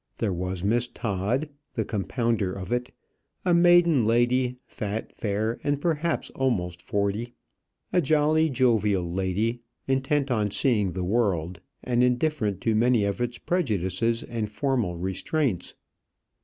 There was Miss Todd, the compounder of it, a maiden lady, fat, fair, and perhaps almost forty; a jolly jovial lady, intent on seeing the world, and indifferent to many of its prejudices and formal restraints.